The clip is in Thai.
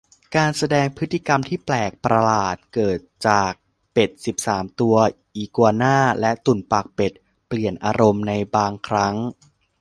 การแสดงพฤติกรรมที่แปลกประหลาด เกิดจาก เป็ดสิบสามตัว อีกัวน่า และตุ่นปากเป็ด เปลี่ยนอารมณ์ในบางครั้ง